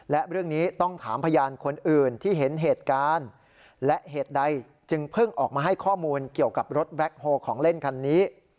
และเรื่องนี้ต้องถามพยานคนอื่นที่เห็นเหตุการณ์และเหตุใดจึงเพิ่งออกมาให้ข้อมูลเกี่ยวกับรถแบ็คโฮของเล่นคันนี้